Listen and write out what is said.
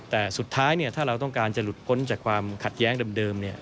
แต่สุดท้ายถ้าเราต้องการจะหลุดพ้นจากความขัดแย้งเดิม